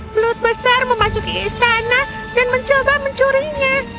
pelut besar memasuki istana dan mencoba mencurinya